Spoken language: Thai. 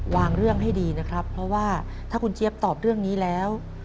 เรื่องให้ดีนะครับเพราะว่าถ้าคุณเจี๊ยบตอบเรื่องนี้แล้ว